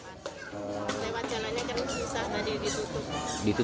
lepas jalan jalan ini kan bisa tadi ditutup